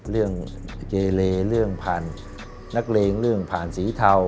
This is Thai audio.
เรื่องเกเลเรื่องผ่านนักเลงเรื่องผ่านสีเทา